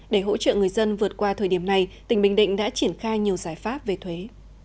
để hỗ trợ người dân vượt qua thời điểm này tỉnh bình định đã triển khai nhiều giải pháp về thuế